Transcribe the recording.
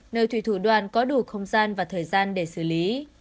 nơi thủy thủ đoàn có đủ không gian và thời gian để xử lý